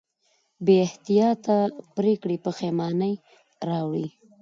بېاحتیاطه پرېکړې پښېمانۍ راوړي.